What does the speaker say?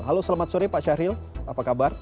halo selamat sore pak syahril apa kabar